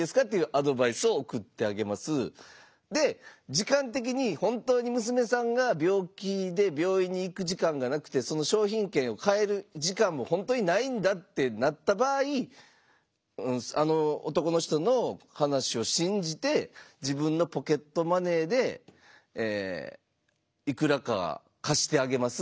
時間的に本当に娘さんが病気で病院に行く時間がなくてその商品券を換える時間も本当にないんだってなった場合あの男の人の話を信じて自分のポケットマネーでいくらか貸してあげます。